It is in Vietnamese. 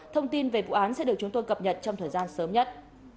thông tin về vụ án sẽ được chúng tôi cập nhật trong thời gian sớm nhất